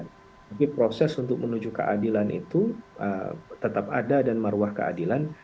tapi proses untuk menuju keadilan itu tetap ada dan maruah keadilan